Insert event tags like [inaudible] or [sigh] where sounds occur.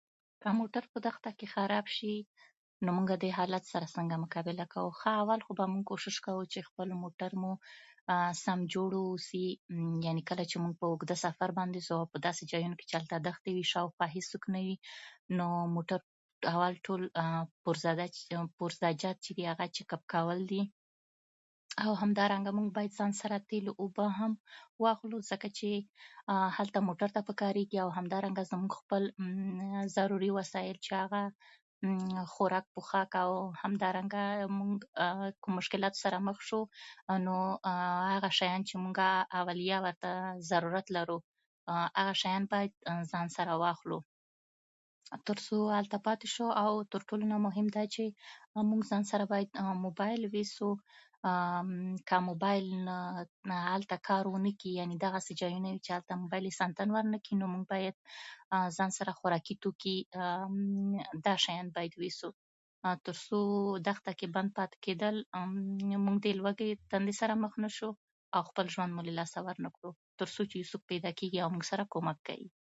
که موټر په دښته کې خراب شي، نو موږه دې حالت سره څنګه مقابله کوو؟ ښه، اول خو موږ کوشش کوو چې خپل موټر مو سم جوړ واوسي. یعنې کله چې موږ په اوږده سفر باندې ځو، او هغه ځای چې کې دښتې وي، شاوخوا هېڅ څوک نه وي، نو موټر، نو موټر ټول پرزه جات چې دي، ټول چیک کول دي. او همدارنګه موږ باید ځان سره تیل، اوبه هم واخلو، ځکه چې هلته موټر ته پکارېږي. او همدارنګه موږ خپل ضروري وسایل، چې هغه خوراک، پوشاک او همدارنګه موږ کوم مشکلات سره مخ شو، نو [hesitation] هغه شیان چې موږ ورته اولیه ورته ضرورت لرو، هغه شیان باید ځان سره واخلو، تر څو هلته پاتې شو. او تر ټولو نه مهم دا چې موږ ځان سره باید موبایل یوسو. که موبایل هلته کار ونه کړي، یعنې دغسې ځایونه وي چې هلته موبایل هېڅ انتن ورنه کړي، نو موږ باید ځان سره خوراکي توکي دښته کې باید یوسو، تر څو دښته کې بند پاتې کېدل موږ د لوږې، تندې سره مخ نه شو، او خپل ژوند مو له لاسه ورنه کړو، تر څو چې یو څوک پیدا کېږي او موږ سره کومک کوي.